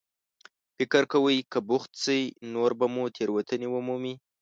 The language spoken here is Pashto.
فکر کوئ که بوخت شئ، نور به مو تېروتنې ومومي.